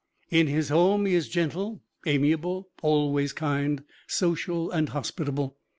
In his home he is gentle, amiable, always kind, social and hospitable.